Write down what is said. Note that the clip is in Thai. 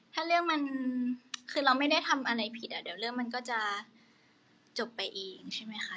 ถ้าเรื่องมันคือเราไม่ได้ทำอะไรผิดอ่ะเดี๋ยวเรื่องมันก็จะจบไปเองใช่ไหมคะ